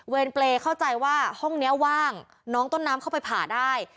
เปรย์เข้าใจว่าห้องนี้ว่างน้องต้นน้ำเข้าไปผ่าได้